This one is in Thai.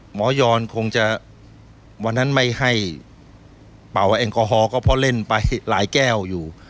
หมอยอนคงจะวันนั้นไม่ให้เป่าแอลกอฮอลก็เพราะเล่นไปหลายแก้วอยู่